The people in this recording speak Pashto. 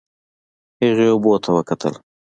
هغې اوبو ته وکتل.